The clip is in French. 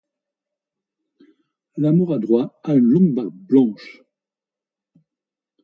L'amour a droit à une longue barbe blanche.